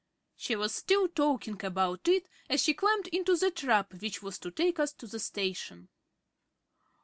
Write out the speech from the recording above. She was still talking about it as she climbed into the trap which was to take us to the station.